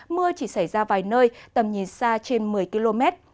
mưa chỉ xảy ra vài nơi tầm nhìn xa trên một mươi km